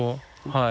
はい。